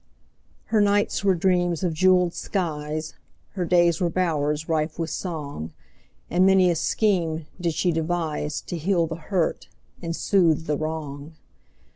Her nights were dreams of jeweled skies, Her days were bowers rife with song, And many a scheme did she deviseTo heal the hurt and soothe the wrong.